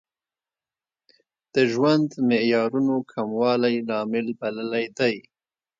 د ژوند معیارونو کموالی لامل بللی دی.